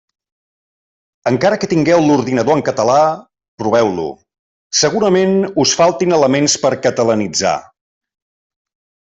Encara que tingueu l'ordinador en català, proveu-lo: segurament us faltin elements per catalanitzar.